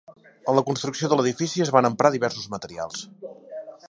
En la construcció de l'edifici es van emprar diversos materials.